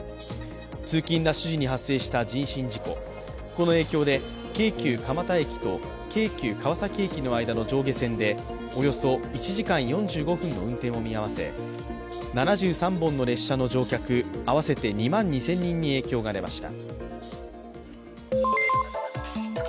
通勤ラッシュ時に発生した人身事故、この影響で、京急蒲田駅と京急川崎駅の間の上下線でおよそ１時間４５分の運転を見合せ、７３本の列車の乗客合わせて２万２０００人に影響が出ました。